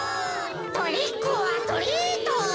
トリックオアトリート！